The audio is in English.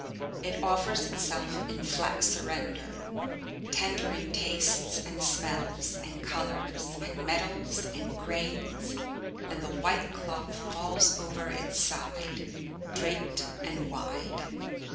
It offers itself in flat surrender, tendering tastes, and smells, and colours, and metals, and grains, and the white cloth falls over its side, draped and wide.